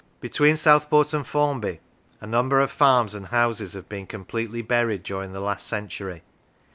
Between Southport and Formby, a number of farms and houses have been completely buried during the last century.